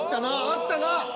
あったな。